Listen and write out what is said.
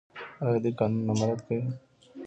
آیا دوی قانون نه مراعات کوي؟